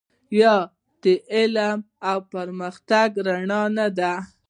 آیا د علم او پرمختګ رڼا نه ده؟